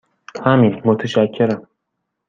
همین، متشکرم.